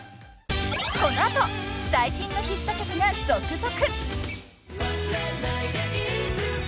［この後最新のヒット曲が続々！］